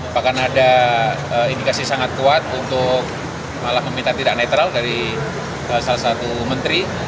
bahkan ada indikasi sangat kuat untuk malah meminta tidak netral dari salah satu menteri